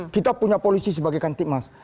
kita punya polisi sebagai kantikmas